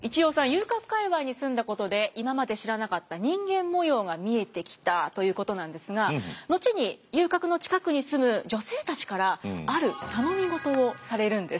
遊郭界わいに住んだことで今まで知らなかった人間模様が見えてきたということなんですが後に遊郭の近くに住む女性たちからある頼み事をされるんです。